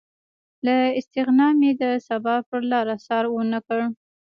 له استغنا مې د سبا پرلاره څار ونه کړ